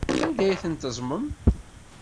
Anda ay ten-teẓẓmem?